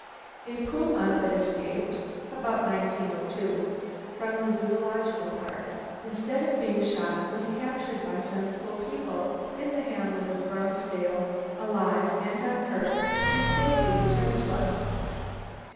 A puma that escaped (about 1902) from the Zoological Park, instead of being shot was captured by sensible people in the hamlet of Bronxdale, alive and unhurt, and safely returned to us.